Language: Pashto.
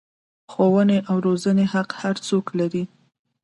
ښوونې او روزنې حق هر څوک لري.